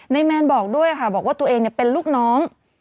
แมนบอกด้วยค่ะบอกว่าตัวเองเป็นลูกน้อง